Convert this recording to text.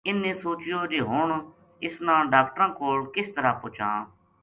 اِنھ نے سوچیو جے ہن اس نا ڈاکٹراں کول کس طرح پوہچاں